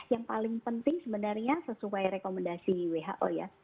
yang paling penting sebenarnya sesuai rekomendasi who ya